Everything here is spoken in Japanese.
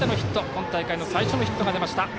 今大会の最初のヒットが出ました。